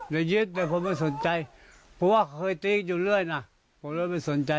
อย่ายึดเลยผมไม่สนใจเพราะว่าเคยตีอยู่เรื่อยนะผมเลยไม่สนใจ